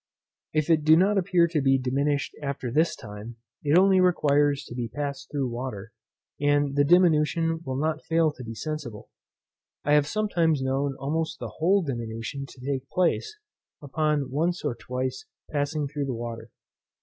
If it do not appear to be diminished after this time, it only requires to be passed through water, and the diminution will not fail to be sensible. I have sometimes known almost the whole diminution to take place, upon once or twice passing through the water.